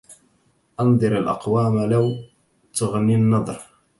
أنذر الأقوام لو تغني النذر